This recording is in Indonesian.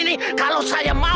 makan tuh harta